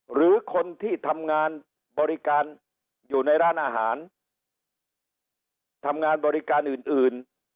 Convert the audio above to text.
หรือคนที่ทำงานบริการอยู่ในร้านอาหารทำงานบริการอื่นอื่น